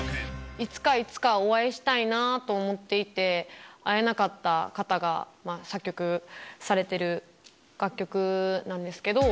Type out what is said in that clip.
いつかいつかお会いしたいなと思っていて、会えなかった方が作曲されてる楽曲なんですけど。